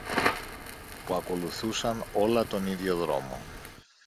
που ακολουθούσαν όλα τον ίδιο δρόμο